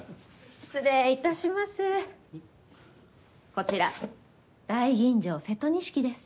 こちら大吟醸瀬戸錦です。